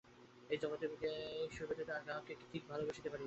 এই জগতে কেহই ঈশ্বর ব্যতীত আর কাহাকেও ঠিক ঠিক ভালবাসিতে পারে না।